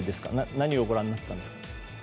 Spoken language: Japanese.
何をご覧になっていたんですか？